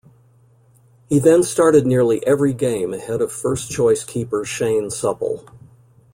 He then started nearly every game ahead of first choice keeper Shane Supple.